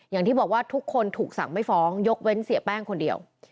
อย่างที่บอกว่าทุกคนถูกสั่งไม่ฟ้องยกเว้นเสียแป้งคนเดียว